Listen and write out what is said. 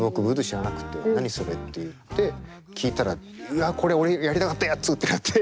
知らなくて何それって言って聴いたらうわっこれ俺やりたかったやつってなって。